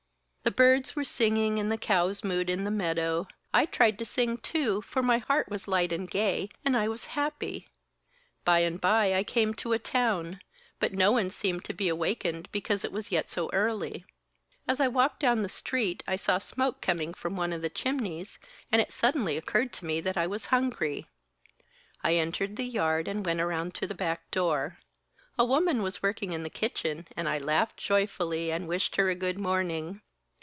"The birds were singing and the cows mooed in the meadow. I tried to sing, too, for my heart was light and gay and I was happy. By and bye I came to a town; but no one seemed to be awakened because it was yet so early. As I walked down the street I saw smoke coming from one of the chimneys, and it suddenly occurred to me that I was hungry. I entered the yard and went around to the back door. A woman was working in the kitchen and I laughed joyfully and wished her a good morning.